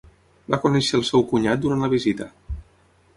Va conèixer el seu cunyat durant la visita.